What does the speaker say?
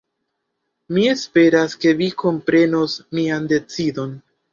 Mi esperas ke vi komprenos mian decidon.